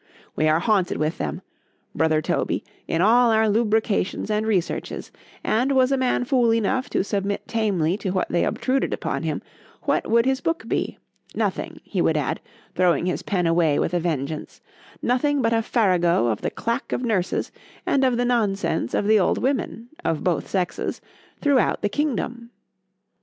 _——We are haunted with them, brother Toby, in all our lucubrations and researches; and was a man fool enough to submit tamely to what they obtruded upon him,—what would his book be? Nothing,—he would add, throwing his pen away with a vengeance,—nothing but a farrago of the clack of nurses, and of the nonsense of the old women (of both sexes) throughout the kingdom.